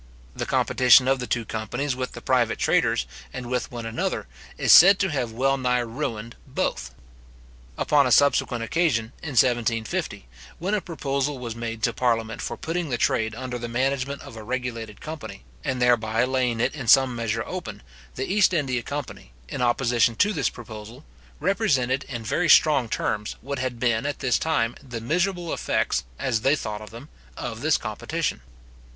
The competition of the two companies with the private traders, and with one another, is said to have well nigh ruined both. Upon a subsequent occasion, in 1750, when a proposal was made to parliament for putting the trade under the management of a regulated company, and thereby laying it in some measure open, the East India company, in opposition to this proposal, represented, in very strong terms, what had been, at this time, the miserable effects, as they thought them, of this competition.